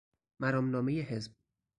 مرامنامه حزب